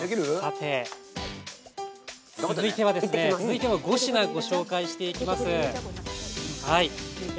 続いては５品ご紹介していきます。